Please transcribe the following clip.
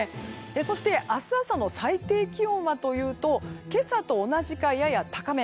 そして、明日朝の最低気温はというと今朝と同じかやや高め。